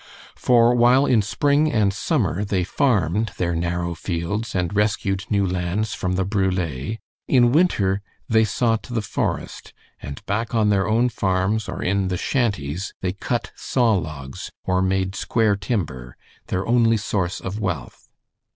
For while in spring and summer they farmed their narrow fields, and rescued new lands from the brule; in winter they sought the forest, and back on their own farms or in "the shanties" they cut sawlogs, or made square timber, their only source of wealth.